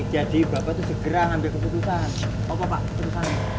jadi bapak tuh segera ambil keputusan